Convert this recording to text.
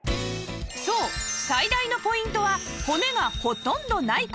そう最大のポイントは骨がほとんどない事